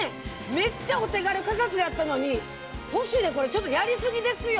めっちゃお手軽価格やったのに『ポシュレ』これちょっとやり過ぎですよ！